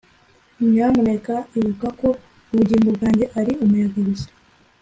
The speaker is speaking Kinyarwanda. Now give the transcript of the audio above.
nyamuneka ibuka ko ubugingo bwanjye ari umuyaga gusa,